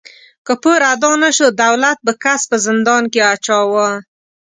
که پور ادا نهشو، دولت به کس په زندان کې اچاوه.